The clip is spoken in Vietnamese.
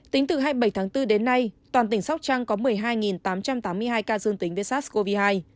tính từ hai mươi bảy tháng bốn đến nay toàn tỉnh sóc trăng có một mươi hai tám trăm tám mươi hai ca dương tính với sars cov hai